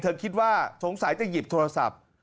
คิดว่าสงสัยจะหยิบโทรศัพท์